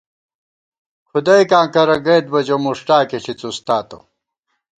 کھُدَئیکاں کرہ گئیت بہ، جو مݭٹاکےݪی څُستاتہ